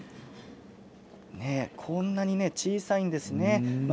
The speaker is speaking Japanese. こんなに小さいものがあるんですね。